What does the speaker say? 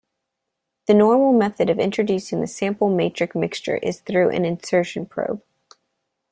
The normal method of introducing the sample-matrix mixture is through an insertion probe.